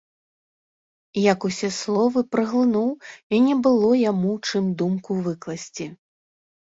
Як усе словы праглынуў і не было яму чым думку выкласці.